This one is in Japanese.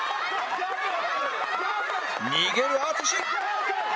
逃げる淳